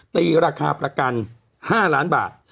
ตีราคาประกัน๕ล้านบาท